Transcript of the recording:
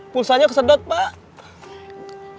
pulsanya kesedot pak